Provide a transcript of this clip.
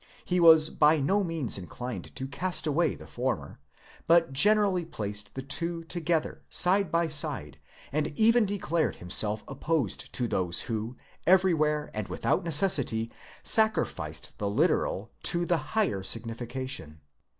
He was by no means inclined to cast away the former, but generally placed the two together, side by side, and even declared himself opposed to those who, everywhere and without necessity, sacrificed the literal to the higher signification.